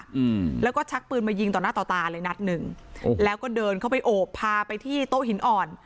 อืมแล้วก็ชักปืนมายิงต่อหน้าต่อตาเลยนัดหนึ่งแล้วก็เดินเข้าไปโอบพาไปที่โต๊ะหินอ่อน